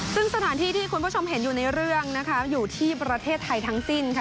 ซึ่งสถานที่ที่คุณผู้ชมเห็นอยู่ในเรื่องนะคะอยู่ที่ประเทศไทยทั้งสิ้นค่ะ